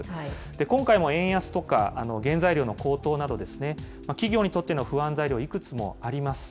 今回も円安とか、原材料の高騰など、企業にとっての不安材料、いくつもあります。